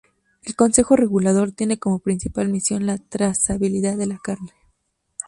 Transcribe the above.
El consejo regulador tiene como principal misión la trazabilidad de la carne.